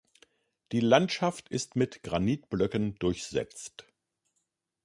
Die Landschaft ist mit Granitblöcken durchsetzt.